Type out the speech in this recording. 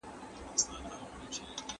سرلوړي یوازي د اسلام په منلو کي ده.